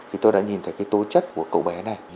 thì tôi đã nhìn thấy cái tố chất của cậu bé này